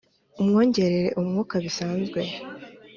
amwongerera umwuka. bisanzwe